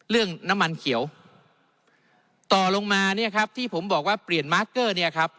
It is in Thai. เรื่องน้ำมันเขียวต่อลงมาเนี่ยครับที่ผมบอกว่าเปลี่ยนมาร์คเกอร์เนี่ยครับ